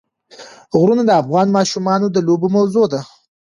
غرونه د افغان ماشومانو د لوبو موضوع ده.